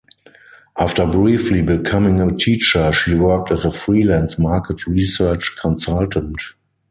After briefly becoming a teacher, she worked as a freelance market research consultant.